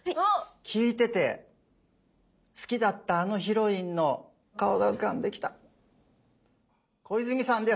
聞いてて好きだったあのヒロインの顔が浮かんできた小泉さんです。